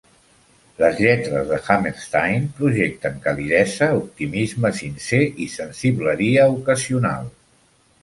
Les lletres de Hammerstein projecten calidesa, optimisme sincer i sensibleria ocasional.